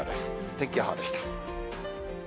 天気予報でした。